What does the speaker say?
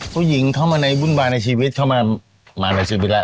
เข้ามาในวุ่นวายในชีวิตเข้ามาในชีวิตแล้ว